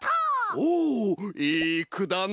おおいいくだな！